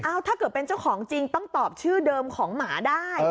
ถ้าเกิดเป็นเจ้าของจริงต้องตอบชื่อเดิมของหมาได้